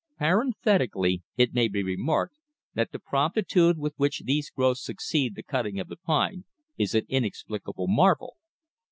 Parenthetically, it may be remarked that the promptitude with which these growths succeed the cutting of the pine is an inexplicable marvel.